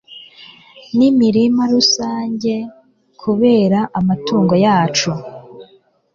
n'imirima rusange kubera amatungo yacu